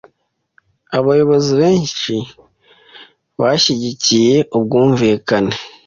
Abayobozi benshi bashyigikiye ubwumvikane.